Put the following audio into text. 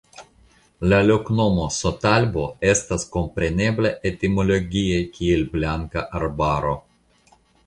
La loknomo "Sotalbo" estas komprenebla etimologie kiel Blanka Arbaro.